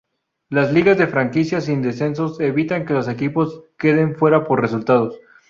Las ligas de franquicias sin descensos evitan que los equipos queden fuera por resultados.